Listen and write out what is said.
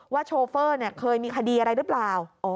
โชเฟอร์เคยมีคดีอะไรหรือเปล่า